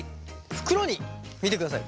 袋に見てください。